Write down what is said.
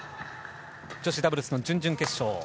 女子ダブルスの準々決勝。